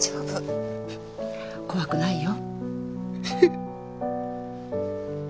怖くないよ。